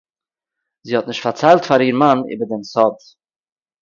"זי האָט נישט פאַרציילט פאַר איר מאַן איבער דעם "סוד"